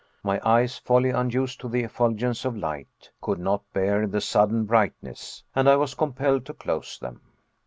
My eyes, wholly unused to the effulgence of light, could not bear the sudden brightness; and I was compelled to close them.